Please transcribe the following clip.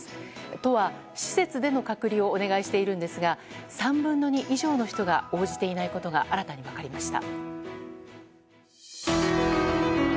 都は施設での隔離をお願いしているんですが３分の２以上の人が応じていないことが新たに分かりました。